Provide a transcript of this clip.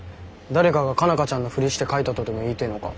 誰かが佳奈花ちゃんのふりして書いたとでも言いてえのか？